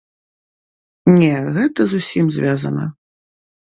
Не, гэта з усім звязана.